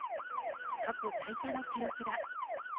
過去最多の記録だ。